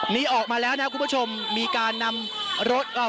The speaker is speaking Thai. นี้ออกมาแล้วนะครับคุณผู้ชมมีการนำรถผู้บาดเจ็บออกมานะครับออกไปแล้ว๑คนนะครับ